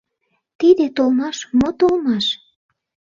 Тиде толмаш — мо толмаш?